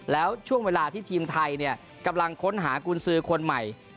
แล้วช่วงเวลาที่ทีมไทยกำลังค้นหากุญสือคนใหม่